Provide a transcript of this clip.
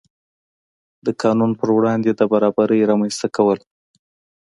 د قانون په وړاندې د برابرۍ رامنځته کول.